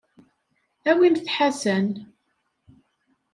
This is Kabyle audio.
Awimt Ḥasan.